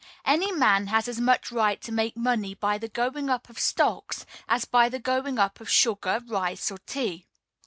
Any man has as much right to make money by the going up of stocks as by the going up of sugar, rice, or tea.